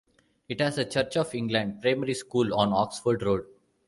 It has a Church of England primary school on Oxford Road.